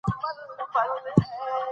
لوستې میندې د څښاک پاکو اوبو ته پام کوي.